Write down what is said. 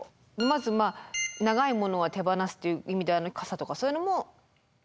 まずまあ長い物は手放すという意味では傘とかそういうのも手放す？